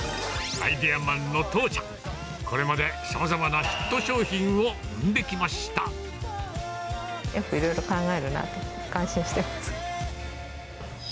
アイデアマンの父ちゃん、これまで様々なヒット商品を生んできました。